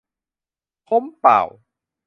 พ้มป่าว